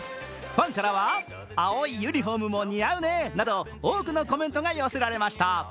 ファンからは、青いユニフォームも似合うねなど多くのコメントが寄せられました。